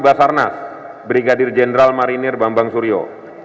basarnas brigadir jenderal marinir bambang suryo